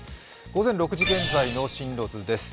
午前６時現在の進路図です。